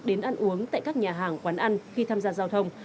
đến ăn uống tại các nhà hàng quán ăn khi tham gia giao thông